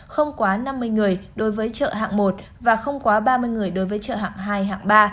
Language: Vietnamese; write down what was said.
không quá năm mươi người đối với chợ hạng một và không quá ba mươi người đối với chợ hạng hai hạng ba